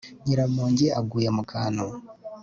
nyiramongi aguye mu kantu